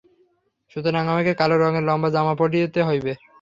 সুতরাং আমাকে কালো রঙের লম্বা জামা পড়িতে হইবে।